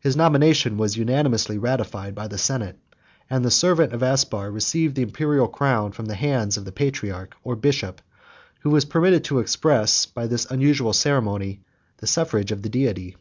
His nomination was unanimously ratified by the senate; and the servant of Aspar received the Imperial crown from the hands of the patriarch or bishop, who was permitted to express, by this unusual ceremony, the suffrage of the Deity.